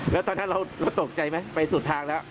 แล้วตอนนั้นเราตกใจไหมไปสุดทางแล้ว